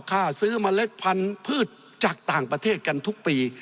ซื้อเมล็ดพันธุ์พืชจากต่างประเทศกันทุกปี